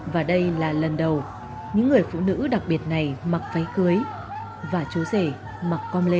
và đây là lần đầu những người phụ nữ đặc biệt này mặc váy cưới và chú rể mặc con lê